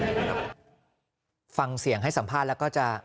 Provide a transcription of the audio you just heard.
ฟังเสียงให้สัมภาษณ์แล้วก็จะ